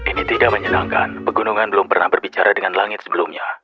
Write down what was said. ini tidak menyenangkan pegunungan belum pernah berbicara dengan langit sebelumnya